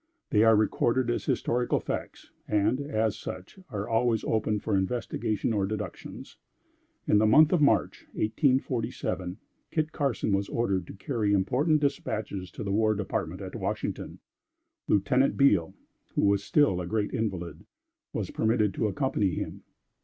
They are recorded as historical facts, and, as such, are always open for investigation or deductions. In the month of March, 1847, Kit Carson was ordered to carry important dispatches to the war department at Washington. Lieutenant Beale, who was still a great invalid, was permitted to accompany him.